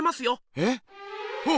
えっ？